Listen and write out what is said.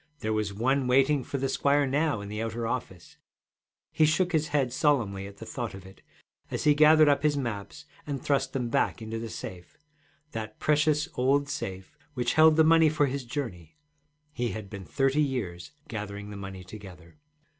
There was one waiting for the squire now in the outer office; he shook his head solemnly at thought of it, as he gathered up his maps and thrust them back into the safe, that precious old safe which held the money for his journey. He had been thirty years gathering the money together.